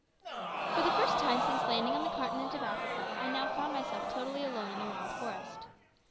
For the first time since landing on the continent of Africa, I now found myself totally alone in the wild forest.